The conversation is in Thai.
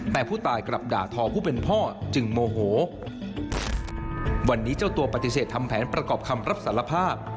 แต่ผู้ตายกลับด่าทอผู้เป็นพ่อจึงโมโหวันนี้เจ้าตัวปฏิเสธทำแผนประกอบคำรับสารภาพ